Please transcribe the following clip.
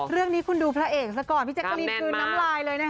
เรื่องนี้คุณดูพระเอกซะก่อนพี่แจ๊กกะลีนคืนน้ำลายเลยนะคะ